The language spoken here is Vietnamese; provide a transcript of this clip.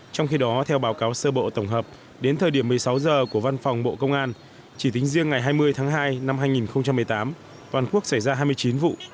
trong khi đó theo báo cáo sơ bộ tổng hợp đến thời điểm một mươi sáu giờ của văn phòng bộ công an chỉ tính riêng ngày hai mươi tháng hai năm hai nghìn một mươi tám toàn quốc xảy ra hai mươi chín vụ